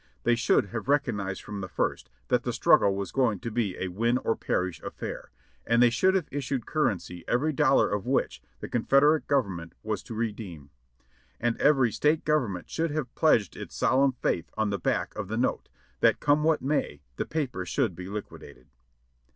They should have recognized from the first that the struggle was going to be a win or perish affair, and they should have issued currency every dollar of which the Confederate Government was to redeem, and every State Government should have pledged 682 JOHNNY RKB AND BILLY YANK its solemn faitli on the back of the note, that come what may the paper should be liquidated.